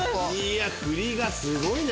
振りがすごいね。